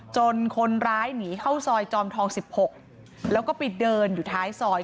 คนร้ายหนีเข้าซอยจอมทอง๑๖แล้วก็ไปเดินอยู่ท้ายซอย